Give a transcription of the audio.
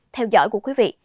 theo dõi của quý vị